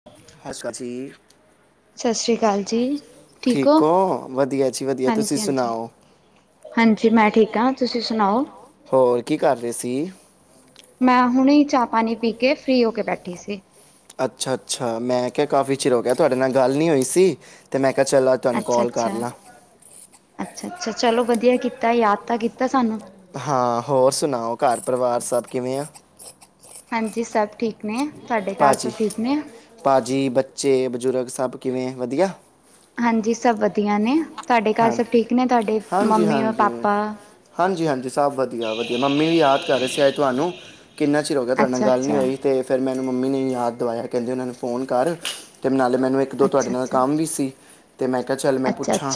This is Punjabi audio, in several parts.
[unintelligible] ਸਤ ਸ਼੍ਰੀ ਅਕਾਲ ਜੀ। ਠੀਕ ਔ ਵਧੀਆ ਜੀ ਵਧੀਆ ਤੁਸੀਂ ਹਾਂਜੀ ਹਾਂਜੀ ਸੁਣਾਓ? ਹਾਂਜੀ ਮੈਂ ਠੀਕ ਆ ਤੁਸੀਂ ਸੁਣਾਓ? ਹੋਰ ਕੀ ਕਰ ਰਹੇ ਸੀ? ਮੈਂ ਹੁਣੇ ਈ ਚਾਹ ਪਾਣੀ ਪੀ ਕੇ ਫ੍ਰਰੀ ਹੋ ਕੇ ਬੈਠੀ ਸੀ। ਅੱਛਾ-ਅੱਛਾ ਮੈਂ ਕਿਹਾ ਕਾਫੀ ਚਿਰ ਹੋ ਗਿਆ ਤੁਵਾਡੇ ਨਾਲ ਗੱਲ ਨਹੀਂ ਹੋਈ ਸੀ ਤੇ ਮੈਂ ਕਿਹਾ ਚੱਲ ਅੱ ਅੱਛਾ-ਅੱਛਾ, ਅੱਛਾ-ਅੱਛਾ ਚਲੋ ਵਧੀਆ ਕੀਤਾ ਯਾਦ ਤਾਂ ਕੀਤਾ ਸਾਨੂੰ। ਹਾਂ ਹੋਰ ਸੁਣਾਓ ਘਰ ਪਰਿਵਾਰ ਸਭ ਕਿਵੇਂ ਆ? ਹਾਂਜੀ ਸਭ ਠੀਕ ਨੇ ਤੁਵਾਡੇ ਘਰ ਸਭ ਠੀਕ ਨੇ? ਪਾ ਜੀ ਬੱਚੇ ਬਜ਼ੁਰਗ ਸਭ ਕਿਵੇਂ ਵਧੀਆ? ਹਾਂਜੀ ਸਭ ਵਧੀਆ ਨੇ ਤੁਵਾਡੇ ਘਰ ਹਾਂ ਸਭ ਠੀਕ ਨੇ ਤੁਵਾਡੇ ਮੰਮੀ ਔਰ ਪਾਪਾ? ਹਾਂਜੀ-ਹਾਂਜੀ ਸਭ ਵਧਿਆ। ਵਧੀਆ ਵਧੀਆ ਮੰਮੀ ਵੀ ਯਾਦ ਕਰ ਰਹੇ ਸੀ ਆਜ ਤੁਵਾਨੂੰ ਕਿੰਨਾ ਚਿਰ ਹੋ ਗਿਆ ਤੁਵਾਡੇ ਨਾਲ ਅੱਛਾ ਗੱਲ ਨੀ ਅੱਛਾ ਹੋਈ। ਤੇ ਫਿਰ ਮੈਨੂੰ ਮੰਮੀ ਨੇ ਯਾਦ ਦਵਾਇਆ ਕਹਿੰਦੇ ਉਹਨਾਂ ਨੂੰ ਫੋਨ ਕਰ ਤੇ ਨਾਲੇ ਮੈਨੂੰ ਇੱਕ ਦੋ ਤੁਵਾਡੇ ਅੱਛਾ ਨਾਲ ਅੱਛਾ ਕੰਮ ਵੀ ਸੀ ਤੇ ਮੈਂ ਕਿਹਾ ਚੱਲ ਮੈਂ ਅੱਛਾ ਪੁੱਛਾਂ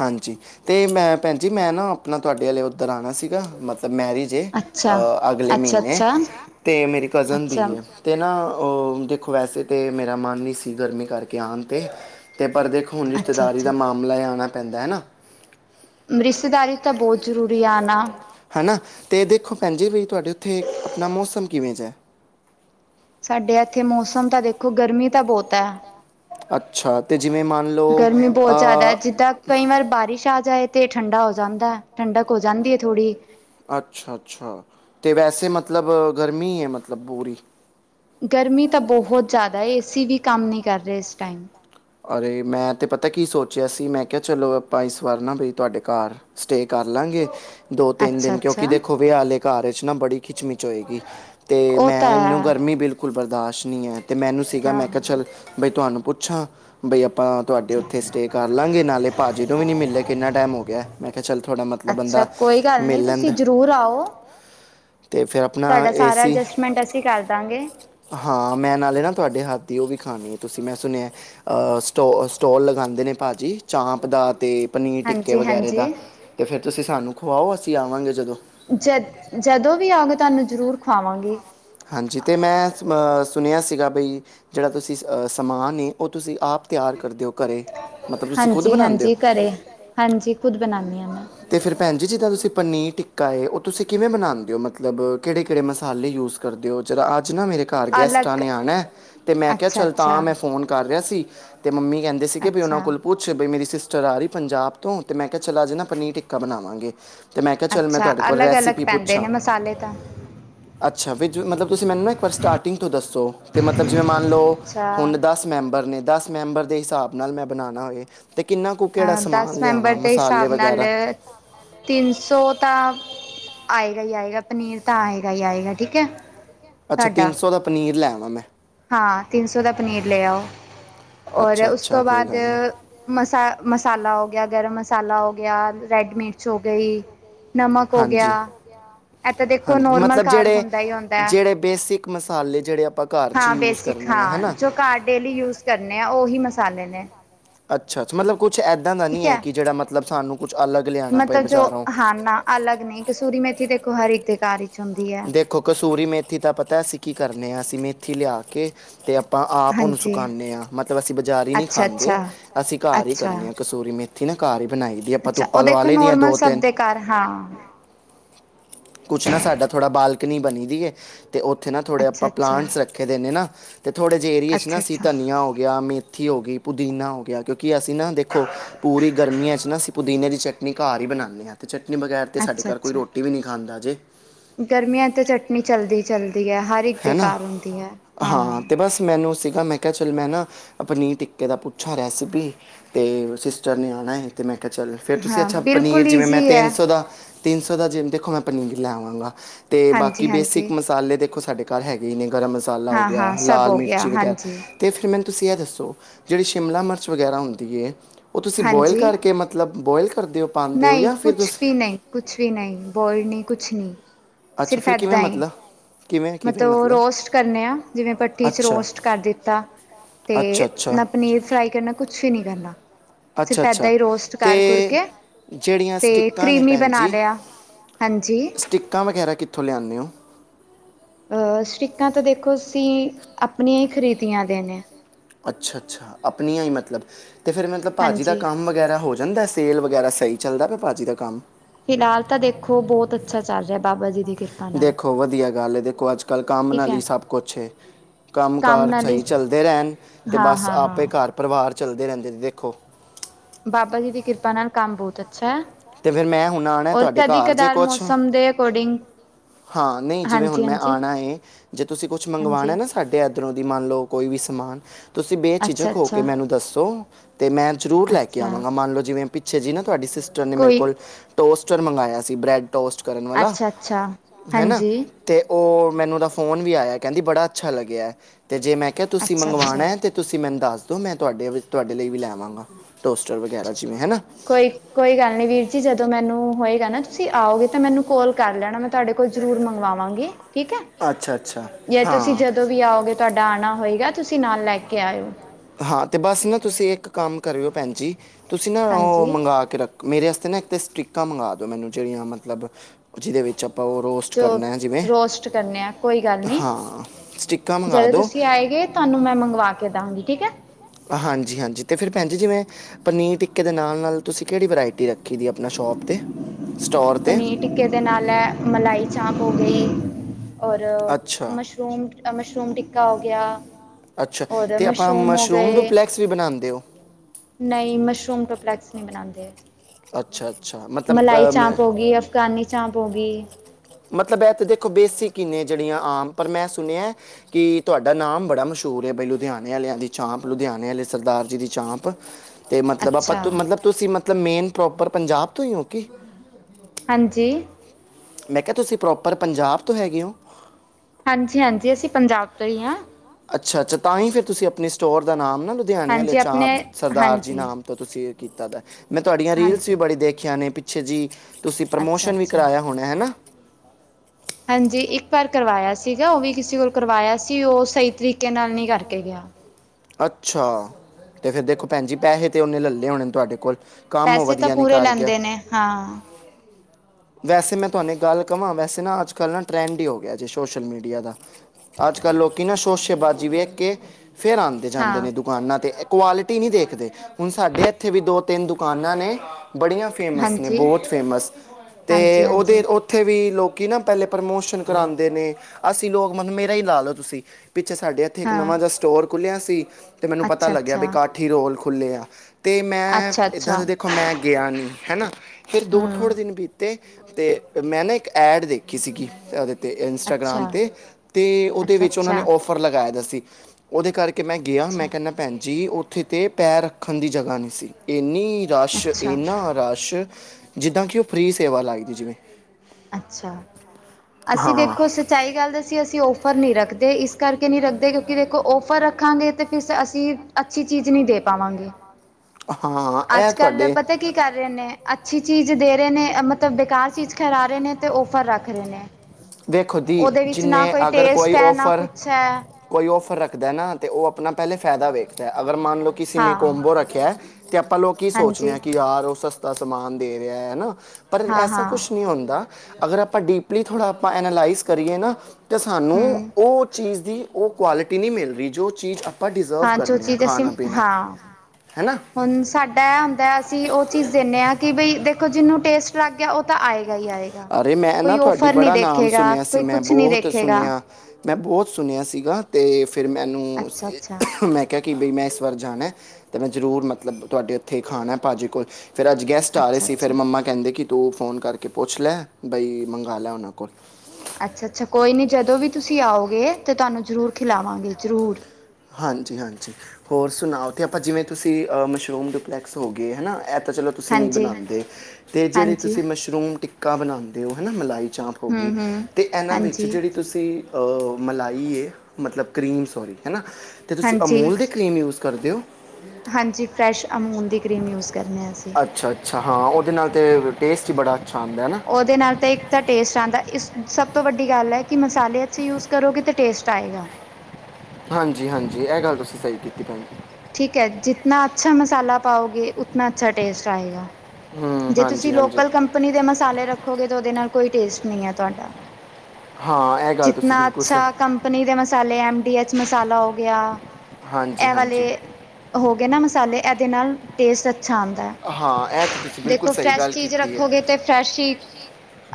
ਹਾਂਜੀ ਤੇ ਮੈਂ ਭੈਣ ਜੀ ਮੈਂ ਨਾ ਆਪਣਾ ਤੁਵਾਡੇ ਆਲੇ ਉੱਧਰ ਆਣਾ ਸੀਗਾ ਮਤਲਬ ਮੈਰਿਜ ਜੇ ਅੱਛਾ ਅੱਛਾ ਅਗਲੇ ਅੱਛਾ ਮਹੀਨੇ ਅੱਛਾ ਤੇ ਮੇਰੀ ਕਜ਼ਨ ਦੀ ਅੱਛਾ ਏ। ਤੇ ਨਾ ਉਹ ਦੇਖੋ ਵੈਸੇ ਤਾਂ ਮੇਰਾ ਮਨ ਨਹੀਂ ਸੀ ਗਰਮੀ ਕਰਕੇ ਆਣ ' ਤੇ ਪਰਦੇ ਅੱਛਾ ਰਿਸ਼ਤੇਦਾਰੀ ਅੱਛਾ ਦਾ ਮਾਮਲਾ ਆਣਾ ਪੈਂਦਾ ਹੈਨਾ। ਰਿਸ਼ਤੇਦਾਰੀ ਤਾਂ ਬਹੁਤ ਜ਼ਰੂਰੀ ਆ ਨਾ। ਹੈ ਨਾ ਤੇ ਦੇਖੋ ਭੈਣ ਜੀ ਵੀ ਤੁਹਾਡੇ ਉੱਥੇ ਆਪਣਾ ਮੌਸਮ ਕਿਵੇਂ ਜੇਹਾ ਹੈ। ਸਾਡੇ ਇੱਥੇ ਮੌਸਮ ਤਾਂ ਦੇਖੋ ਗਰਮੀ ਤਾਂ ਬਹੁਤ ਹੈ। ਅੱਛਾ ਤੇ ਜਿਵੇਂ ਮੰਨ ਲਉ ਗਰਮੀ ਬਹੁਤ ਜ਼ਿਆਦਾ ਹੈ ਆ। ਜਿੱਦਾਂ ਕਈ ਵਾਰ ਬਾਰਿਸ਼ ਆ ਜਾਏ ਤਾਂ ਠੰਡਾ ਹੋ ਜਾਂਦਾ, ਠੰਡਕ ਹੋ ਜਾਂਦੀ ਹੈ ਥੋੜੀ। ਅੱਛਾ- ਅੱਛਾ ਤੇ ਵੈਸੇ ਮਤਲਬ ਗਰਮੀ ਹੈ, ਮਤਲਬ ਬੂਰੀ। ਗਰਮੀ ਤਾਂ ਬਹੁਤ ਜ਼ਿਆਦਾ ਹੈ, ਏਸੀ ਵੀ ਕੰਮ ਨਹੀਂ ਕਰ ਰਹੇ ਇਸ ਟਾਈਮ। ਅਰੇ ਮੈਂ ਤਾਂ ਪਤਾ ਕੀ ਸੋਚਿਆ ਸੀ ਮੈਂ ਕਿਹਾ ਚਲੋ ਆਪਾਂ ਇਸ ਵਾਰ ਨਾ ਬਈ ਤੁਹਾਡੇ ਘਰ ਸਟੇਅ ਕਰ ਲਾਂਗੇ ਦੋ- ਤਿੰਨ ਅੱਛਾ ਦਿਨ ਕਿਉਂਕਿ ਅੱਛਾ ਦੇਖੋ ਵਿਆਹ ਵਾਲੇ ਕਾਰ ਵਿਚ ਨਾ ਬੜੀ ਖਿੱਚਮਿਚ ਹੋਏਗੀ ਤੇ ਉਹ ਤਾਂ ਮੈਂਨੂੰ ਹੈ ਗਰਮੀ ਬਿਲਕੁਲ ਬਿਲਕੁਲ ਬਰਦਾਸ਼ ਨਈ ਐ ਤੇ ਮੈਨੂੰ ਸੀਗਾ, ਹਾਂ ਮੈ ਕਿਹਾ ਚੱਲ ਬਈ ਤੋਆਨੁ ਪੁੱਛਾ ਬਈ ਅੱਪਾਂ ਤੁਆਡੇ ਅੱਛਾ ਉੱਥੇ ਸਟੇਅ ਅੱਛਾ ਕਰ ਲਾਂਗੇ, ਨਾਲੇ ਪਾਜੀ ਨੂੰ ਵੀ ਨੀ ਮਿਲੇ ਕਿੰਨਾ ਟੈਮ ਹੋ ਗੇਆ। ਮੈਂ ਕੇਹਾ ਚੱਲ ਥੋੜਾ ਮਤਲਬ ਅੱਛਾ ਬੰਦਾ ਕੋਈ ਗੱਲ ਨਹੀਂ ਮਿਲ ਤੁਸੀਂ ਲੈਂਦਾ ਏ। ਜ਼ਰੂਰ ਆਓ ਤੇ ਫੇਰ ਅਪਨਾ ਤੁਹਾਡਾ ਏ ਸਾਰਾ ਸੀ ਐਡਜਸਟਮੈਂਟ ਅਸੀਂ ਕਰ ਦਾਂਗੇ ਹਾਂ, ਮੈਂ ਨਾਲੇ ਨਾ ਤੁਆਡੇ ਹੱਥ ਦੀ ਉ ਵੀ ਖਾਣੀ ਐ, ਤੁਸੀ ਮੈ ਸੁਨੇਆ ਅ ਸਟੋ ਸਟੋਲ ਲਗਾਂਦੇ ਨੇ ਪਾਜੀ, ਚਾਂਪ ਦਾ ਤੇ ਪਨੀਰ ਟਿੱਕੇ ਹਾਂਜੀ ਵਗੈਰੇ ਦਾ ਹਾਂਜੀ ਤੇ ਫੇਰ ਤੁਸੀ ਸਾਨੂੰ ਖਵਾਓ ਅਸੀ ਆਵਾਂਗੇ ਜਦੋ। ਜਦ ਜਦੋ ਵੀ ਆਓ ਗੇ ਤਾਨੂੰ ਜਰੂਰ ਖਵਾਵਾਂਗੇ। ਹਾਂਜੀ, ਤੇ ਮੈਂ ਸੁਨੇਆ ਸੀਗਾ ਬਈ ਜੇੜਾ ਤੁਸੀਂ ਸ ਸਮਾਨ ਏ, ਓ ਤੁਸੀਂ ਆਪ ਤਿਯਾਰ ਕਰਦੇ ਓ ਘਰੇ, ਮਤਲਬ ਤੁਸੀਂ ਖੁਦ ਹਾਂਜੀ ਬਣਾਂਦੇ ਓ? ਹਾਂਜੀ ਘਰੇ ਹਾਂਜੀ, ਖੁਦ ਬਣਾਨੀ ਆ ਮੈ। ਤੇ ਫੇਰ ਭੈਣ ਜੀ ਜਿੱਦਾ ਤੁਸੀਂ ਪਨੀਰ ਟਿੱਕਾ ਏ ਓ, ਤੁਸੀ ਕਿਵੇ ਬਣਾਂਦੇ ਓ? ਮਤਲਬ ਕੇੜੇ- ਕੇੜੇ ਮਸਾਲੇ ਯੂਸ ਕਰਦੇ ਓ, ਜਰਾ ਅੱਜ ਨਾ ਮਰੇ ਘਰ ਗੈਸਟਾ ਅਲੱਗ ਨੇ ਆਣਾ ਐ। ਤੇ ਮੈ ਕੇਆ ਅੱਛਾ ਚੱਲ ਤਾ ਅੱਛਾ ਮੈਂ ਫੋਨ ਕਰ ਰਿਹਾ ਸੀ। ਤੇ ਮੰਮੀ ਕੈਂਦੇ ਸੀਗੇ ਬੀ ਓਨਾਂ ਅੱਛਾ ਕੋਲ ਪੁੱਛ ਬਈ ਮੇਰੀ ਸਿਸਟਰ ਆ ਰਹੀ ਪੰਜਾਬ ਤੋਂ, ਤੇ ਮੈਂ ਕੇਆ ਚਲ ਅਜ ਨਾ ਪਨੀਰ ਟਿੱਕਾ ਬਨਾਵਾਂਗੇ ਤੇ ਮੈਂ ਕੇਆ ਚੱਲ ਮੈਂ ਅੱਛਾ ਤੁਆਡੇ ਕੋਲ ਅਲੱਗ ਅਲੱਗ ਰੈਸਿਪੀ ਪੈਂਦੇ ਪੁੱਛਾਂ। ਨੇ ਮਸਾਲੇ ਤਾਂ ਅੱਛਾ, ਵੀ ਮਤਲਬ ਤੁਸੀ ਮੈਨੂੰ ਨਾ ਇੱਕ ਵਾਰੀ ਸਟਾਰਟਿੰਗ ਤੋ ਦੱਸੋ, ਤੇ ਮਤਲਬ ਜਿਵੇ ਮ ਮੰਨ ਲਓ ਅੱਛਾ ਹੁਣ ਦਸ ਮੈਂਬਰ ਨੇ, ਦਸ ਮੈਂਬਰ ਦੇ ਹਿਸਾਬ ਨਾਲ ਮੈਂ ਬਣਾਨਾ ਹੋਏ। ਤੇ ਕਿੰਨਾ ਕੁ ਕੇੜਾ ਸਮਾਨ ਦਸ ਮੈਂਬਰ ਲਿਆਵਾ ਦੇ ਮਸਾਲੇ ਹਿਸਾਬ ਨਾਲ ਵਗੈਰਾ ਤਿੰਨ ਸੌ ਤਾ ਆਏਗਾ ਈ ਆਏਗਾ, ਪਨੀਰ ਤਾ ਆਏਗਾ ਈ ਆਏਗਾ, ਠੀਕ ਐ। ਅੱਛਾ, ਤਿੰਨ ਸੌ ਦਾ ਪਨੀਰ ਲੈ ਆਵਾ ਮੈ। ਹਾਂ, ਤਿੰਨ ਸੌ ਦਾ ਪਨੀਰ ਲੇ ਆਓ, ਔਰ ਅੱਛਾ ਉਸ ਅੱਛਾ ਤੋ ਕੋਈ ਬਾਦ ਗੱਲ ਨਹੀਂ ਮਸਾ ਮਸਾਲਾ ਹੋ ਗਿਆ, ਗਰਮ ਮਸਾਲਾ ਹੋ ਗਿਆ, ਰੈਡ ਮਿਰਚ ਹੋ ਗਈ ਨਮਕ ਹੋ ਗਿਆ, ਹਾਂਜੀ ਐ ਤਾ ਦੇਖੋ ਹਾਂਜੀ ਨੋਰਮਲ ਮਤਲਬ ਘਰ ਜਿਹੜੇ ਹੁੰਦਾ ਹੀ ਹੁੰਦਾ ਐ। ਜਿਹੜੇ ਬੇਸਿਕ ਮਸਾਲੇ ਜੇੜੇ ਅੱਪਾ ਘਰ ਚ ਯੂਸ ਬੇਸਿਕ ਕਰਨੇ ਹਾਂ, ਹਨਾ। ਜੋ ਘਰ ਡੇਲੀ ਯੂਸ ਕਰਨੇ ਆ, ਓਹੀ ਮਸਾਲੇ ਨੇ। ਅੱਛਾ- ਅੱਛਾ ਮਤਲਬ ਕੁੱਛ ਏੱ‍ਦਾਂ ਦਾ ਨੀ ਠੀਕ ਐ ਹੈ ਕਿ ਜੇੜਾ ਮਤਲਬ ਸਾਨੂੰ ਕੁਛ ਅਲੱਗ ਲਿਆਣਾ ਪਏ ਮਤਲਬ ਜੋ ਬਜਾਰੋ। ਹਾਂ ਨਾ ਅਲੱਗ ਨਈ, ਕਸੂਰੀ ਮੇਥੀ ਦੇਖੋ ਹਰ ਇੱਕ ਦੇ ਘਰ ਹੁੰਦੀ ਹੈ। ਦੇਖੋ ਕਸੂਰੀ ਮੇਥੀ ਤਾ ਪਤਾ ਅਸੀਂ ਕੀ ਕਰਨੇ ਆ, ਅਸੀ ਮੇਥੀ ਲਿਯਾ ਕੇ ਤੇ ਅੱਪਾਂ ਆਪ ਓਨੂੰ ਹਾਂਜੀ ਸੁਕਾਨੇ ਆ, ਮਤਲਬ ਅਸੀ ਬਜਾਰੀ ਨਹੀ ਅੱਛਾ ਖਾਂਦੇ ਅੱਛਾ ਅਸੀਂ ਘਰ ਹੀ ਅੱਛਾ ਕਰਨੇ ਆ ਕਸੂਰੀ ਮੇ ਥੀ ਨਾ ਘਰ ਹੀ ਬਨਾਈ ਦੀ ਐ ਅੱਪਾ, ਧੁਪਾਂ ਲਵਾ ਲਈ ਦੀਆ ਦੋ-ਤਿੰਨ ਪਰ ਹਾਂ। ਕੁਛ ਨਾ ਸਾਡਾ ਥੋੜਾ ਬਾਲਕਨੀ ਬਣੀ ਦੀ ਏ, ਤੇ ਓਥੇ ਨਾ ਥੋੜੇ ਅੱਛਾ ਅੱਪਾ ਅੱਛਾ ਪਲਾਂਟਸ ਰੱਖੇ ਦੇ ਨੇ ਨਾ। ਤੇ ਥੋੜੇ ਜੇ ਏਰੀਏ ਚ ਅੱਛਾ ਨਾ ਆਸੀ ਅੱਛਾ ਧਨੀਆ ਹੋ ਗੇਆ, ਮੇਥੀ ਹੋ ਗਈ, ਪੁਦੀਨਾ ਹੋ ਗੇਆ। ਕਿਉਂਕਿ ਅਸੀਂ ਨਾ ਦੇਖੋ ਪੂਰੀ ਗਰਮੀਆਂ ਚ ਨਾ ਅਸੀ ਪੁਦੀਨੇ ਦੀ ਚਟਨੀ ਕਾਰ ਹੀ ਬਣਾਨੇ ਹਾ, ਤੇ ਚਟਨੀ ਬਗੈਰ ਤੇ ਸਾਡੇ ਕਰ ਕੋਈ ਰੋਟੀ ਵੀ ਨਹੀ ਖਾਂਦਾ ਜੇ। ਗਰਮੀਆ ਤੇ ਚਟਨੀ ਚੱਲਦੀ ਚੱਲਦੀ ਹੈ, ਹਰ ਇੱਕ ਹੈ ਦੇ ਨਾ ਕਾਰ ਹੁੰਦੀ ਹੈ, ਹਾਂ। ਤੇ ਬਸ ਮੈਨੂੰ ਸੀਗਾ ਮੈ ਕੇ ਚਲ ਮੈ ਨਾ ਪਨੀਰ ਟਿੱਕੇ ਦਾ ਪੁੱਛਾ ਰੈਸਿਪੀ ਤੇ ਸਿਸਟਰ ਨੇ ਆਣਾ ਏ। ਤੇ ਮੈ ਕਾ ਚੱਲ ਫਿਰ ਤੁਸੀਂ ਹਾਂ ਅੱਛਾ ਪਨੀਰ ਬਿਲਕੁਲ ਜਿਵੇ ਮੈਂ ਈਜ਼ੀ ਤੇਨ ਹੈ ਸੌ ਦਾ ਤਿੰਨ ਸੌ ਦਾ ਜਿਵੇ ਦੇਖੋ ਮੈ ਪਨੀਰ ਲੈ ਆਵਾਂਗਾ ਤੇ ਬਾਕੀ ਹਾਂਜੀ ਬੇਸਿਕ ਹਾਂਜੀ ਮਸਾਲੇ ਦੇਖੋ ਸਾਡੇ ਘਰ ਹੈਗੇ ਹੀ ਨੇ ਗਰਮ ਮਸਾਲਾ ਹੋ ਹਾਂ ਗਿਆ, ਹਾਂ ਸਭ ਲਾਲ ਹੋ ਗਿਆ ਮਿਰਚੀ ਵਗੈਰਾ ਹਾਂਜੀ ਤੇ ਫਿਰ ਮੈਨੂੰ ਤੁਸੀਂ ਇਹ ਦੱਸੋ ਜੇੜੀ ਸ਼ਿਮਲਾ ਮਿਰਚ ਵਗੈਰਾ ਹੁੰਦੀ ਏ, ਓ ਤੁਸੀਂ ਬੋਇਲ ਹਾਂਜੀ ਕਰਕੇ ਮਤ ਮਤਲਬ ਬੋਇਲ ਕਰਦੇ ਓ। ਨਹੀਂ ਕੁਛ ਵੀ ਨਈ ਕੁਛ ਵੀ ਨਹੀਂ ਬੋਇਲ ਨਹੀਂ ਕੁਛ ਨਹੀਂ। ਅੱਛਾ, ਸਿਰਫ ਫਿਰ ਕਿਵੇਂ ਏਦਾਂ ਹੀ ਮਤਲਬ? ਕਿਵੇਂ ਕਿਵੇਂ ਮਤਲਬ ਰੋਸਟ ਕਰਨੇ ਆ ਜਿਵੇਂ ਪੱਠੀ ਚ ਅੱਛਾ ਰੋਸਟ ਕਰ ਦਿੱਤਾ। ਅੱਛਾ ਤੇ ਅੱਛਾ ਨਾ ਪਨੀਰ ਫਰਾਈ ਕਰਨਾ, ਕੁਛ ਵੀ ਨਹੀਂ ਕਰਨਾ। ਅੱਛਾ ਸਿਰਫ ਏਦਾਂ ਅੱਛਾ ਹੀ ਰੋਸਟ ਤੇ ਕਰ ਕੁਰ ਕੇ ਜਿਹੜੀਆਂ ਤੇ ਸਟਿੱਕਾਂ ਨੇ ਕਰੀਮੀ ਭੈਣ ਬਣਾ ਲੇਆ। ਹਾਂਜੀ। ਕੰਮ ਵਗੈਰਾ ਕਿੱਥੋਂ ਲਿਆਉਦੇ ਹੋ। ਅਹ ਸਟਕਾਂ ਤਾਂ ਦੇਖੋ ਅਸੀਂ ਆਪਣੀਆਂ ਹੀ ਖ਼ਰੀਦੀਆਂ ਦੇ ਨੇ। ਅੱਛਾ ਅੱਛਾ ਆਪਣੀਆਂ ਹੀ ਮਤਲਬ ਤੇ ਫਿਰ ਮਤਲਬ ਭਾਜੀ ਦਾ ਹਾਂਜੀ ਕੰਮ ਵਗੈਰਾ ਹੋ। ਹੋ ਜਾਂਦਾ ਸੇਲ ਵਗੈਰਾ ਸਹੀ ਚੱਲਦਾ ਪਿਆ ਭਾਜੀ ਦਾ ਕੰਮ। ਫਿਲਹਾਲ ਤਾਂ ਦੇਖੋ ਬਹੁਤ ਅੱਛਾ ਚੱਲ ਰਿਹਾ ਬਾਬਾ ਜੀ ਦੀ ਕਿਰਪਾ। ਨਾਲ। ਦੇਖੋ ਵਧੀਆ ਗੱਲ ਹੈ। ਦੇਖੋ ਅੱਜ ਕੱਲ ਕੰਮ ਠੀਕ ਨਾਲ ਹੀ ਹੈ ਸਭ ਕੁਛ ਹੈ। ਕੰਮ ਕਾਰ ਨਾਲ ਹੀ ਸਹੀ ਚੱਲਦੇ ਰਹਿਣ ਤੇ ਹਾਂ ਬਸ ਹਾਂ ਹਾਂ ਆਪੇ ਘਰ ਪਰਿਵਾਰ ਚੱਲਦੇ ਰਹਿੰਦੇ ਦੇਖੋ। ਬਾਬਾ ਜੀ ਦੀ ਕਿਰਪਾ ਨਾਲ ਕੰਮ ਬਹੁਤ ਅੱਛਾ ਹੈ। ਤੇ ਫਿਰ ਮੈਂ ਹੁਣ ਆਉਣਾ ਔਰ ਤੁਹਾਡੇ ਕਦੀ ਘਰ ਜੇ ਕਦਾਰ ਕੁਛ। ਮੌਸਮ ਦੇ ਅਕੋਰਡਿੰਗ ਹਾਂ ਨਹੀਂ ਜਿਵੇਂ ਹੁਣ ਹਾਂਜੀ ਮੈਂ ਹਾਂਜੀ ਆਉਣਾ ਏ ਜੇ ਤੁਸੀਂ ਕੁਛ ਮੰਗਵਾਉਣਾ ਹਾਂਜੀ ਨਾ ਸਾਡੇ। ਇਧਰੋਂ ਦੀ ਮੰਨ ਲਓ ਕੋਈ ਵੀ ਸਮਾਨ ਤੁਸੀਂ ਅੱਛਾ ਬੇਚਿਜਕ ਹੋ ਕੇ ਅੱਛਾ ਮੈਨੂੰ ਦੱਸੋ ਤੇ ਮੈਂ। ਜ਼ਰੂਰ ਲੈ ਕੇ ਅੱਛਾ ਆਵਾਂਗਾ ਮੰਨ ਲਓ ਜਿਵੇਂ ਪਿੱਛੇ ਜੀ ਨਾ ਤੁਹਾਡੀ ਸਿਸਟਰ ਨੇ ਮੇਰੇ ਕੋਈ ਕੋਲ ਟੋਸਟਰ ਮੰਗਇਆ ਸੀ ਬਰੈਡ। ਟੋਸਟ ਕਰਨ ਵਾਲਾ ਅੱਛਾ ਅੱਛਾ ਹੈ ਹੈਨਾ। ਹਾਂਜੀ ਤੇ ਉਹ ਮੈਨੂੰ ਦਾ ਫੋਨ ਵੀ ਆਇਆ ਕਹਿੰਦੀ ਬੜਾ ਅੱਛਾ ਲੱਗਿਆ ਤੇ ਜੇ ਮੈਂ ਕਿਹਾ ਤੁਸੀਂ ਅੱਛਾ ਅੱਛਾ ਮੰਗਵਾਣਾ ਤੇ। ਤੁਸੀਂ ਮੈਨੂੰ ਦੱਸ ਦੋ ਮੈਂ ਤੁਹਾਡੇ ਤੁਹਾਡੇ ਲਈ ਵੀ ਲੈਵਾਂਗਾ ਟੋਸਟਰ ਵਗੈਰਾ ਜਿਵੇਂ ਹਨਾ। ਕੋਈ ਕੋਈ ਗੱਲ ਨਹੀਂ ਵੀਰ ਜੀ ਜਦੋਂ ਮੈਨੂੰ ਹੋਏਗਾ ਨਾ ਤੁਸੀਂ ਆਓਗੇ ਤਾਂ ਮੈਨੂੰ ਕੋਲ ਕਰ ਲੈਣਾ। ਤੁਹਾਡੇ ਕੋਲ ਜ਼ਰੂਰ ਮੰਗਵਾਵਾਂਗੀ ਠੀਕ ਹੈ ਅੱਛਾ ਅੱਛਾ ਜੇ ਤੁਸੀਂ ਹਾਂ ਜਦੋਂ ਵੀ। ਵੀ ਆਓਗੇ ਤੁਹਾਡਾ ਆਉਣਾ ਹੋਏਗਾ ਤੁਸੀਂ ਨਾਲ ਲੈ ਕੇ ਆਇਓ। ਹਾਂ ਤੇ ਬਸ ਨਾ ਤੁਸੀਂ ਇੱਕ ਕੰਮ ਕਰਿਓ ਭੈਣ ਜੀ ਤੁਸੀਂ ਨਾ ਉਹ ਹਾਂਜੀ ਮੰਗ ਕੇ ਰੱਖ। ਮੇਰੇ ਵਾਸਤੇ ਨਾ ਇੱਕ ਤਾਂ ਸਟਕਾਂ ਮੰਗਵਾ ਦਿਓ ਮੈਨੂੰ ਜਿਹੜੀਆਂ ਮਤਲਬ ਜਿਹਦੇ ਵਿੱਚ ਆਪ। ਜੋ ਰੋਸਟ ਕਰਨੇ ਆ ਕੋਈ ਗੱਲ ਨੀ ਹਾਂ ਸਟਿੱਕਾਂ ਮੰਗਾ ਜਦੋਂ ਦਿਓ ਤੁਸੀਂ ਆਏ ਗੇ। ਤੁਹਾਨੂੰ ਮੈਂ ਮੰਗਵਾ ਕੇ ਦਵਾਂਗੀ ਠੀਕ ਹੈ। ਹਾਂਜੀ ਹਾਂਜੀ ਤੇ ਫਿਰ ਭੈਣ ਜੀ ਜਿਵੇਂ ਪਨੀਰ ਟਿੱਕੇ ਦੇ ਨਾਲ ਨਾਲ ਤੁਸੀਂ ਕਿਹੜੀ ਵਰਾਇਟੀ ਰੱਖ। ਕਿਦੀ ਆਪਣਾ ਸ਼ੋਪ 'ਤੇ ਸਟੋਰ 'ਤੇ। ਪਨੀਰ ਟਿੱਕੇ ਦੇ ਨਾਲ ਹੈ ਮਲਾਈ ਚਾਪ ਹੋ ਗਈ। ਔਰ ਅੱਛਾ ਮਸ਼ਰੂਮ ਮਸ਼ਰੂਮ ਟਿੱਕਾ ਹੋ ਗਿਆ। ਹੋਰ ਮਸ਼ਰੂਮ ਹੋ ਗਏ। ਕਿ ਬਣਾਉਂਦੇ ਹੋ। ਨਹੀਂ ਮਸ਼ਰੂਮ ਦਪਲੈਕਸ ਨਹੀਂ ਬਣਾਉਂਦੇ। ਅੱਛਾ ਅੱਛਾ ਮਤਲਬ ਮਲਾਈ ਅ, ਮ- ਚਾਂਪ ਹੋ ਗਈ ਅਫਗਾਨੀ ਚਾਂਪ ਹੋ ਗਈ। ਮਤਲਬ ਇਹ ਤਾਂ ਦੇਖੋ ਬੇਸਿਕ ਹੀ ਨੇੇ ਜਿੜੀਆਂ ਆਮ ਪਰ ਮੈਂ ਸੁਣਿਆ। ਕਿ ਤੁਹਾਡਾ ਨਾਮ ਬੜਾ ਮਸ਼ਹੂਰ ਐ ਬਾਈ ਲੁਧਿਆਣੇ ਵਾਲਿਆਂ ਦੀ ਚਾਂਪ ਲੁਧਿਆਣੇ ਵਾਲੇ ਸਰਦਾਰ ਜੀ ਦੀ ਚਾਂਪ। ਅਤੇ ਮਤਲਬ ਆਪਾਂ ਅੱਛਾ ਤ ਮਤਲਬ ਤੁਸੀਂ ਮਤਲਬ ਮੇਨ ਪ੍ਰੋਪਰ ਪੰਜਾਬ ਤੋਂ ਹੀ ਹੋ ਕੀ? ਹਾਂਜੀ। ਮੈਂ ਕਿਹਾ ਤੁਸੀਂ ਪ੍ਰੋਪਰ ਪੰਜਾਬ ਤੋਂ ਹੈਗੇ ਔ? ਹਾਂਜੀ-ਹਾਂਜੀ ਅਸੀਂ ਪੰਜਾਬ ਤੋਂ ਈ ਆ। ਅੱਛਾ ਅੱਛਾ ਤਾਂ ਹੀ ਫੇਰ ਤੁਸੀਂ ਆਪਣੇ ਸਟੋਰ ਦਾ ਨਾਮ ਨਾ ਲੁਧਿਆਣੇ ਆਲੇ ਹਾਂਜੀ ਆਪਣੇ ਚਾਂਪ ਸਰਦਾਰ ਜੀ ਹਾਂਜੀ ਨਾਮ ਤੋਂ ਤੁਸੀਂ ਕੀਤਾ ਦਾ ਮੈਂ ਤੁਹਾਡੀਆਂ ਰੀਲਸ ਵੀ ਹਾਂਜੀ ਬੜੀ ਦੇਖੀਆਂ ਨੇ। ਪਿੱਛੇ ਜੀ ਤੁਸੀਂ ਅੱਛਾ ਪ੍ਰਮੋਸ਼ਨ ਵੀ ਅੱਛਾ ਕਰਵਾਆ ਹੋਣਾ ਐ ਹਨਾ। ਹਾਂਜੀ ਇੱਕ ਵਾਰ ਕਰਵਾਇਆ ਸੀਗਾ ਉਹ ਵੀ ਕਿਸੇ ਕੋਲ ਕਰਵਾਇਆ ਸੀ ਉਹ ਸਹੀ ਤਰੀਕੇ ਨਾਲ ਨੀ ਕਰਕੇ ਗਿਆ। ਅੱਛਾ, ਤੇ ਫਿਰ ਦੇਖੋ ਭੈਣ ਜੀ ਪੈਸੇ ਤਾਂ ਉਹਨੇ ਲੱਲੇ ਹੋਣੇ ਨੇ ਤੁਹਾਡੇ ਕੋਲੋ। ਪੈਸੇ ਤਾਂ ਪੂਰੇ ਲੈਂਦੇ ਨੇ ਹਾਂ। ਵੈਸੇ ਮੈਂ ਤੁਹਾਨੂੰ ਇਕ ਗੱਲ ਕਵਾ ਵੈਸੇ ਨਾ ਅੱਜ-ਕੱਲ੍ਹ ਨਾ ਟਰੈਂਡ ਹੀ ਹੋ ਗਿਆ ਜੀ ਸੋਸ਼ਲ ਮੀਡੀਆ ਦਾ। ਅੱਜ ਕੱਲ ਲੋਕੀ ਨਾ ਸ਼ੋਸ਼ੇਬਾਜ਼ੀ ਵੇਖ ਕੇ ਫਿਰ ਆਂਦੇ ਜਾਂਦੇ ਹਾਂ ਨੇ ਦੁਕਾਨਾਂ ਤੇ। ਕੁਆਲਿਟੀ ਨੀ ਦੇਖਦੇ, ਹੁਣ ਸਾਡੇ ਇੱਥੇ ਵੀ ਦੋ ਤਿੰਨ ਦੁਕਾਨਾਂ ਨੇ ਬੜੀਆਂ। ਫੇਮਸ ਨੇ ਹਾਂਜੀ ਬਹੁਤ ਫੇਮਸ, ਹਾਂਜੀ ਤੇ ਉਹਦੇ ਹਾਂਜੀ ਉਹ ਉੱਥੇ ਵੀ ਲੋਕ ਨਾ ਪਹਿਲੇ ਪ੍ਰਮੋਸ਼ਨ ਕਰਾਦੇ ਨੇ ਅਸੀਂ ਲੋਕ ਮਤਨਬ ਮੇਰਾ ਹੀ ਲਾ ਲਓ ਤੁਸੀਂ। ਪਿੱਛੇ ਸਾਡੇ ਇੱਥੇ ਇੱਕ ਹਾਂ ਨਵਾਂ ਜਿਹਾ ਸਟੋਰ ਖੁੱਲਿਆ ਸੀ, ਤੇ ਮੈਨੂੰ ਪਤਾ ਅੱਛਾ ਲੱਗਿਆ ਵੀ ਅੱਛਾ ਕਾਠੀ ਰੋਲ ਖੁੱਲ੍ਹੇ ਆ। ਤੇ ਮੈਂ ਅੱਛਾ ਇੱਦਾਂ ਅੱਛਾ ਦਾ ਦੇਖੋ ਮੈਂ ਗਿਆ ਨੀ ਹਨਾ ਫਿਰ ਦੋ ਥੋੜ੍ਹੇ ਹਮ ਦਿਨ ਬੀਤ ਤੇ-ਤੇ, ਮੈਂ ਨਾ ਇਕ ਐਡ ਦੇਖੀ ਸੀਗੀ ਓਦੇ ਤੇ ਇੰਸਟਾਗ੍ਰਾਮ ਅੱਛਾ ਤੇ, ਤੇ ਓਦੇ ਵਿੱਚ ਓਨਾਂ ਨੇ ਅੱਛਾ-ਅੱਛਾ, ਔਫਰ ਲਗਾਇਆ ਦਾ ਸੀ ਓਦੇ ਕਰ ਕਿ, ਮੈਂ ਗਿਆ ਅੱਛਾ, ਅੱਛਾ, ਮੈਂ ਕੈਨਾ, ਭੈਨ ਜੀ ਓੱਥੇ ਤੇ ਪੈਰ ਰੱਖਣ ਦੀ ਜਗ੍ਹਾ ਨੀ ਸੀ ਏਨੀ ਰਸ਼ ਅੱਛਾ। ਏਨਾਂ ਰਸ਼, ਜਿੱਦਾਂ ਕਿ ਓਹ ਫ੍ਰਰੀ ਸੇਵਾ ਲਾਈ ਦੀ ਜਿਵੇਂ। ਅੱਛਾ, ਅਸੀਂ ਹਾਂ ਦੇਖੋ ਸੱਚਾਈ ਗੱਲ ਦਸੀਏ ਅਸੀਂ ਔਫਰ ਨੀ ਰੱਖਦੇ ਇਸ ਕਰਕੇ ਨੀ ਰੱਖਦੇ, ਕਿਉਕਿ ਦੇਖੋ ਔਫਰ ਰੱਖਾਂਗੇ ਤਾਂ ਫਿਰ ਅਸੀਂ ਅੱਛੀ ਚੀਜ਼ ਨੀ ਦੇ ਪਾਵਾਂਗੇ। ਹਾਂ ਇਹ ਅੱਜ-ਕੱਲ੍ਹ ਤੁਹਾਡੇ ਪਤਾ ਕੀ ਕਰ ਰੇ ਨੇ, ਅੱਛੀ ਚੀਜ਼ ਦੇ ਰੇ ਨੇ ਮਤਲਬ ਬੇਕਾਰ ਚੀਜ਼ ਖਵਾ ਰੇ ਨੇ ਤੇ ਔਫਰ ਰੱਖ ਰੇ ਨੇ। ਨੇ ਦੇਖੋ ਦੀ ਓਦੇ ਵਿੱਚ ਨਾ ਜਿੰਨੇ ਕੋਈ ਅਗਰ ਟੇਸਟ ਐ, ਨਾ ਆਫਰ ਕੁਛ ਐ। ਕੋਈ ਔਫਰ ਰੱਖਦਾ ਨਾ ਤਾਂ ਉਹ ਆਪਣਾ ਪੈਲੇ ਫੈਦਾ ਵੇਖਦਾ ਅਗਰ ਮੰਨ ਲਓ ਕਿਸੇ ਨੇ ਹਾਂ। ਕੋਮਬੋ ਰੱਖਿਆ। ਤੇ, ਅਪਾਂ ਲੋਕ ਕੀ ਸੋਚਨੇ ਹਾਂਜੀ ਆ ਕਿ ਯਾਰ ਓ ਸਸਤਾ ਸਮਾਨ ਦੇ ਰਿਆ ਹਨਾ। ਪਰ ਐਸਾ ਹਾਂ-ਹਾਂ ਕੁਛ ਨੀ ਹੁੰਦਾ ਅਗਰ ਆਪਾਂ ਡੀਪਲੀ ਥੋੜ੍ਹਾ ਆਪਾਂ ਐਨਾਲਾਈਜ਼ ਕਰੀਏ ਨਾ ਤੇ ਸਾਨੂੰ ਹੂੰ ਓ ਚੀਜ਼ ਦੀ ਓ ਕੁਆਲਟੀ ਨੀ ਮਿਲ ਰੀ ਜੋ ਚੀਜ਼ ਅਪਾਂ ਡਿਜ਼ਰਵ ਹਾਂ ਜੋ ਕਰਨੇ ਆ ਚੀਜ਼ ਅਸੀਂ ਖਾਣਾ-ਪੀਣਾ ਹਾਂ ਹੈ ਨਾ। ਹੁਣ ਸਾਡਾ ਐ ਹੁੰਦਾ ਅਸੀਂ ਓ ਚੀਜ਼ ਦੇੰਨੇ ਆ, ਕਿ ਬਈ ਦੇਖੋ ਜਿਨੂੰ ਟੇਸਟ ਲੱਗ ਗਿਆ ਓ ਤਾਂ ਆਏਗਾ ਹੀ ਆਏਗਾ। ਅਰੇ ਮੈਂ ਨਾ ਕੋਈ ਤੁਹਾਡੀ ਔਫਰ ਨਹੀਂ ਬੜਾ ਨਾਮ ਦੇਖੇਗਾ ਸੁਨਿਆ ਸੀ, ਕੋਈ ਮੈਂ ਕੁਛ ਨਹੀਂ ਬੋਤ ਦੇਖੇਗਾ ਸੁਨਿਆ। ਮੈਂ ਬੋਤ ਸੁਣਿਆ ਸੀਗਾ ਤੇ ਫੇਰ ਮੈਨੂੰ ਅੱਛਾ ਅੱਛਾ। ਮੈਂ ਕੇਹਾ ਕਿ ਬਈ ਮੈਂ ਏਸ ਵਾਰ ਜਾਣਾ ਤੇ ਮੈਂ ਜ਼ਰੂਰ ਮਤਲਬ ਤੁਹਾਡੇ ਓੱਥੇ ਖਾਣਾ ਭਾਜੀ ਕੋਲ ਫੇਰ ਅੱਜ ਗੈਸਟ ਆ ਰੇ ਅੱਛਾ ਸੀ ਫਿਰ ਅੱਛਾ ਮੰਮਾ ਕਹਿਦੇ ਕਿ ਤੂੰ ਫੋਨ ਕਰਕੇ ਪੁੱਛ ਲੈ ਬਈ ਮੰਗਾ ਲੈ ਓੱਨਾਂ ਕੋਲ ਅੱਛਾ-ਅੱਛਾ ਕੋਈ ਨੀ ਜਦੋਂ ਵੀ ਤੁਸੀਂ ਆਓਗੇ ਤੇ ਤੁਹਾਨੂੰ ਜ਼ਰੂਰ ਖਿਲਾਵਾਂਗੇ ਜ਼ਰੂਰ ਹਾਂਜੀ, ਹਾਂਜੀ। ਹੋਰ ਸੁਣਾਓ? ਤੇ ਅਪਾਂ ਜਿਵੇਂ ਤੁਸੀਂ ਮਸ਼ਰੂਮ ਡੁਬਲੈਕਸ ਹੋ ਗੇ ਹੇਨਾ ਏ ਤਾਂ ਚਲੋ ਤੁਸੀਂ ਨੀ ਹਾਂਜੀ ਬਨਾਂਦੇ, ਤੇ ਜੇੜੇ ਹਾਂਜੀ ਤੁਸੀਂ ਮਸ਼ਰੂਮ ਟਿੱਕਾ ਬਣਾਦੇ ਔ ਹੈ ਨਾ ਮਲਾਈ ਚਾਂਪ ਹੂੰ ਹੋਗੀ, ਹੂੰ ਤੇ ਏਨਾਂ ਵਿੱਚ ਹਾਂਜੀ। ਜਿਹੜੀ ਤੁਸੀਂ, ਅ ਮਲਾਈ ਏ ਮਤਲਬ ਕਰੀਮ ਸੋਰੀ ਹੈਨਾ, ਤੇ ਤੁਸੀਂ ਹਾਂਜੀ ਅਮੂਲ ਦੇ ਕਰ੍ਰੀਮ ਯੂਜ ਕਰਦੇ ਹੋ। ਹਾਂਜੀ, ਫਰੈਸ਼ ਅਮੂਲ ਦੀ ਕਰੀਮ ਯੂਜ ਕਰਨੇ ਆ ਅਸੀਂ ਅੱਛਾ, ਅੱਛਾ ਹਾਂ ਓਦੇ ਨਾਲ ਤੇ ਟੇਸਟ ਹੀ ਬੜਾ ਅੱਛਾ ਆਦਾ ਹੈ ਨਾ। ਓਦੇ ਨਾਲ ਤਾਂ ਇੱਕ ਤਾਂ ਟੇਸਟ ਆੱਂਦਾ, ਇਸ ਸਭ ਤੋਂ ਵੱਡੀ ਗੱਲ ਹੈ, ਕਿ ਮਸਾਲੇ ਅੱਛੇ ਯੂਜ ਕਰੋਗੇ ਤਾਂ ਟੇਸਟ ਆਏਗਾ। ਹਾਂਜੀ, ਹਾਂਜੀ ਐ ਗੱਲ ਤੁਸੀਂ ਸਹੀ ਕੀਤੀ ਭੈਣ ਜੀ। ਠੀਕ ਏ, ਜਿਤਨਾ ਅੱਛਾ ਮਸਾਲਾ ਪਾਓਗੇ ਉਤਨਾ ਅੱਛਾ ਟੇਸਟ ਆਏਗਾ, ਹੂੰ ਜੇ ਤੁਸੀਂ ਹਾਂਜੀ ਹਾਂਜੀ ਲੋਕਲ ਕੰ ਕੰਪਨੀ ਦੇ ਮਸਾਲੇ ਰੱਖੋਗੇ, ਤੇ ਓਦੇ ਨਾਲ ਕੋਈ ਟੇਸਟ ਨੀ ਹੈ ਤੁਹਾਡਾ ਹਾਂ ਗੱਲ ਤੁਸੀਂ ਜਿਤਨਾ ਬਿਲਕੁਲ ਅੱਛਾ ਸਹੀ ਕੰਪਨੀ ਦੇ ਮਸਾਲੇ ਐਮ ਡੀ ਐਚ ਮਸਾਲਾ ਹੋ ਗਿਆ। ਹਾਂਜੀ, ਇਹ ਵਾਲੇ ਹਾਂਜੀ ਹੋ ਗੇ ਨਾ ਮਸਾਲੇ, ਏਦੇ ਨਾਲ ਟੇਸਟ ਅੱਛਾ ਆਂਦਾ। ਹਾਂ ਇਹ ਤੁਸੀਂ ਤੇ ਬਿਲਕੁਲ ਦੇਖੋ ਸਹੀ ਫਰੈਸ਼ ਗੱਲ ਚੀਜ਼ ਕੀਤੀ ਹੈ ਰੱਖੋਗੇ, ਤੇ ਫਰੈਸ਼ ਹੀ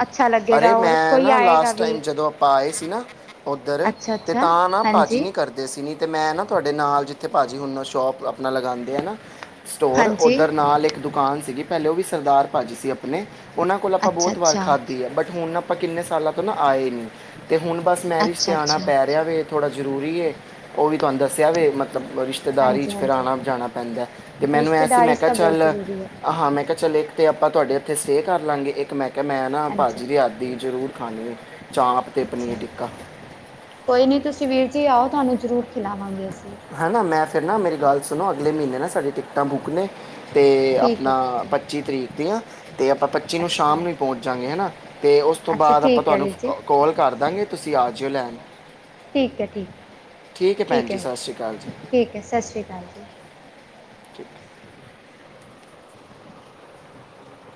ਅੱਛਾ ਲੱਗੇਗਾ, ਹੋਰ ਕੋਈ ਆਏਗਾ ਵੀ ਆਪਾ ਆਏ ਸੀ ਨਾ ਓਧਰ, ਅੱਛਾ ਤੇ ਅੱਛਾ ਤਾਂ ਨਾ ਭਾਜੀ ਹਾਂਜੀ ਨੀ ਕਰਦੇ ਦੇ ਸੀ ਨੀ ਤੇ, ਮੈਂ ਨਾ ਤੁਹਾਡੇ ਨਾਲ ਜਿੱਥੇ ਭਾਜੀ ਹੋਣਾ ਸ਼ੋਪ, ਆਪਣਾ ਲਗਾਂਦੇ ਏ ਨਾ ਸਟੋਰ ਹਾਂਜੀ ਨਾਲ ਇਕ ਦੁਕਾਨ ਸੀਗੀ ਪਹਿਲੇ ਉਹ ਵੀ ਸਰਦਾਰ ਭਾਜੀ ਸੀ ਆਪਣੇ ਓਨਾਂ ਕੋਲ ਆਪਾਂ ਅੱਛਾ ਬਹੁਤ ਵਾਰ ਅੱਛਾ ਖਾ ਬਟ ਹੁਣ ਆਪਾਂ ਕਿੰਨੇ ਸਾਲਾਂ ਤੋਂ ਨਾ ਆਏ ਨੀ, ਤੇ ਹੁਣ ਬਸ ਮੈਰਿਜ ਤੇ ਅੱਛਾ ਆਣਾ ਅੱਛਾ ਪੈ ਰਿਆ ਵੇ ਥੋੜਾ ਜ਼ਰੂਰੀ ਏ, ਓ ਵੀ ਤੁਹਾਨੂੰ ਦੱਸਆ ਵੇ ਮਤਲਬ ਰਿਸ਼ਤਾ ਰਿਸ਼ਤੇਦਾਰੀ 'ਚ ਹਾਂਜੀ ਫੇਰ ਹਾਂਜੀ ਆਣਾ -ਜਾਣਾ ਪੈਂਦਾ, ਤੇ ਮੈਨੂੰ ਐ ਸੀ ਰਿਸ਼ਤੇਦਾਰੀ ਮੈਂ 'ਚ ਕਿਹਾ ਤਾਂ ਬਹੁਤ ਚੱਲ ਜ਼ਰੂਰੀ ਹੈ ਹਾਂ, ਮੈਂ ਕਿਹਾ ਚੱਲ ਇਕ ਤੇ ਆਪਾਂ ਤੁਹਾਡੇ ਏੱਥੇ ਸਟੇ ਕਰ ਲਾਗੇ, ਇੱਕ ਮੈਂ ਕਹਾ ਮੈਂ ਨਾ ਭਾਜੀ ਹਾਂਜੀ ਦੇ ਹੱਥ ਦੀ ਜ਼ਰੂਰ ਖਾਂਣੀ ਹ ਚਾਪ ਤੇ ਪਨੀਰ ਅੱਛਾ ਟਿੱਕਾ ਕੋਈ ਨੀ ਤੁਸੀਂ ਵੀਰ ਜੀ ਆਓ ਤੁਹਾਨੂੰ ਜ਼ਰੂਰ ਖਿਲਾਵਾਂਗੇ ਅਸੀਂ। ਹੈ ਨਾ ਮੈਂ ਫਿਰ ਨਾ ਮੇਰੀ ਗੱਲ ਸੁਣੋ ਅਗਲੇ ਮਹੀਨੇ ਨਾ ਸਾਡੀ ਟਿਕਟਾਂ ਬੁੱਕ ਨੇ। ਤੇ ਠੀਕ ਆਪਣਾ ਹੈ ਠੀਕ ਹੈ ਪੱਚੀ ਤਰੀਕ ਦੀਆਂ ਅਤੇ ਆਪਾਂ ਪੱਚੀ ਨੂੰ ਸ਼ਾਮ ਅੱਛਾ ਨੂੰ ਹੀ ਪਹੁੰਚ ਜਾਂਗੇ ਹਨਾ। ਤੇ ਉਸ ਤੋਂ ਅੱਛਾ ਬਾਅਦ ਆਪਾਂ ਠੀਕ ਹੈ ਤੁਹਾਨੂੰ ਵੀਰ ਜੀ ਕੋਲ ਕਰ ਦਾਂਗੇ ਤੁਸੀਂ ਆ ਜਇਓ ਲੈਣ। ਠੀਕ ਹੈ, ਠੀਕ ਹੈ, ਭੈਣ ਠੀਕ ਜੀ ਹੈ, ਸਤਿ ਸ਼੍ਰੀ ਅਕਾਲ ਜੀ ਠੀਕ ਹੈ ਸਤਿ ਸ਼੍ਰੀ ਅਕਾਲ। ਠੀਕ।